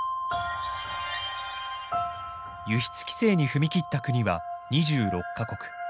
輸出規制に踏み切った国は２６か国。